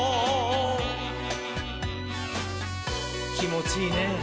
きもちいいねぇ。